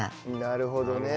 なるほどね。